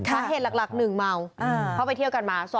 สาเหตุหลัก๑เมาเข้าไปเที่ยวกันมา